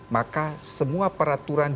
maka semua peraturan